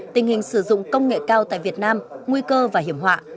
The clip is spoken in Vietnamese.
tình hình sử dụng công nghệ cao tại việt nam nguy cơ và hiểm họa